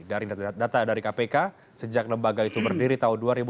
dari data dari kpk sejak lembaga itu berdiri tahun dua ribu empat belas